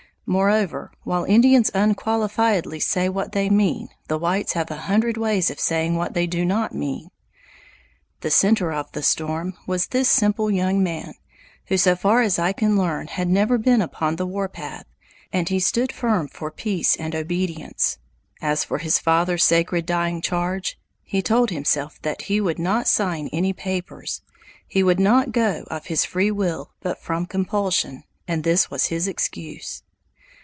Moreover, while Indians unqualifiedly say what they mean, the whites have a hundred ways of saying what they do not mean. The center of the storm was this simple young man, who so far as I can learn had never been upon the warpath, and he stood firm for peace and obedience. As for his father's sacred dying charge, he told himself that he would not sign any papers, he would not go of his free will but from compulsion, and this was his excuse.